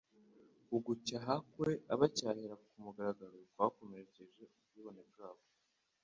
Ugucyaha kwe abacyahira kumugaragaro kwakomerekeje ubwibone bwabo